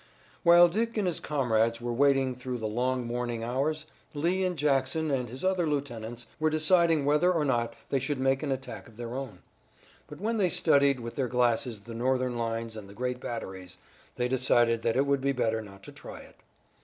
While Dick and his comrades were waiting through the long morning hours, Lee and Jackson and his other lieutenants were deciding whether or not they should make an attack of their own. But when they studied with their glasses the Northern lines and the great batteries, they decided that it would be better not to try it.